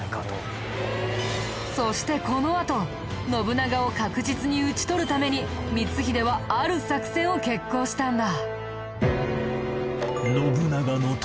そしてこのあと信長を確実に討ち取るために光秀はある作戦を決行したんだ。